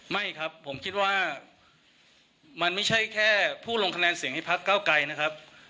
ไม่ครับผมคิดว่ามันไม่ใช่แค่ผู้ลงคะแนนเสียงให้พักเก้าไกรนะครับ